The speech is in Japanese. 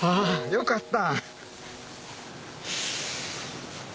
よかった。